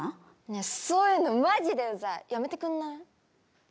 ねえ、そういうのまじうざい、やめてくんない？